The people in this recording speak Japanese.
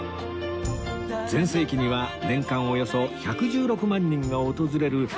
全盛期には年間およそ１１６万人が訪れる